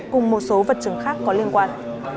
cùng một số vật chứng khác có liên quan